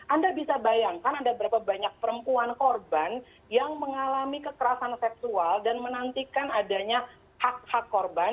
anda bisa bayangkan ada berapa banyak perempuan korban yang mengalami kekerasan seksual dan menantikan adanya hak hak korban